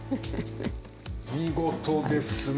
見事ですね。